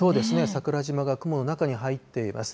桜島が雲の中に入っています。